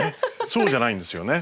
そうじゃないんですよね。